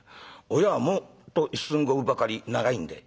親はもっと１寸５分ばかり長いんで」。